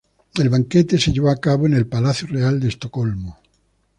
El banquete se llevó a cabo en el Palacio Real de Estocolmo.